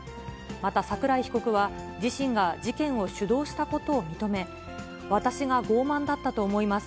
また桜井被告は、自身が事件を主導したことを認め、私が傲慢だったと思います。